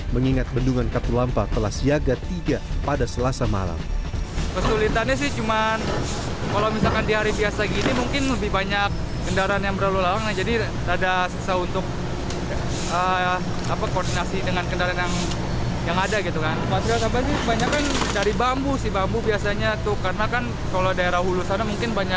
mengingat bendungan katulampa telah siaga tiga pada selasa malam